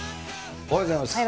おはようございます。